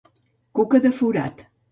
Cuca de forat.